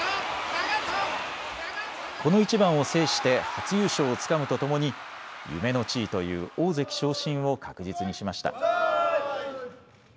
この一番を制して初優勝をつかむとともに夢の地位という大関昇進を確実にしました。